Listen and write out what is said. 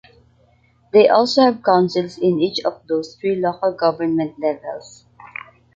They also have councils in each of those three local government levels.